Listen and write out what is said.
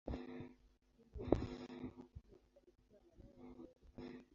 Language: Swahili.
Hii ni athari kubwa ya madawa ya kulevya.